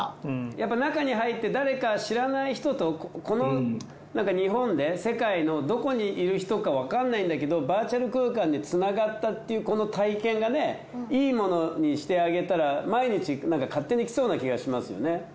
やっぱ中に入って誰か知らない人とこの日本で世界のどこにいる人かわからないんだけどバーチャル空間でつながったっていうこの体験がいいものにしてあげたら毎日勝手に来そうな気がしますよね。